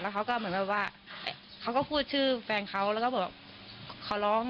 เขาก็เหมือนแบบว่าเขาก็พูดชื่อแฟนเขาแล้วก็บอกขอร้อง